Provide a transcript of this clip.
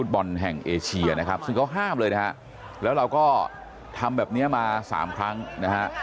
บอลแห่งเอเชียนะครับซึ่งเขาห้ามเลยนะฮะแล้วเราก็ทำแบบเนี้ยมาสามครั้งนะฮะ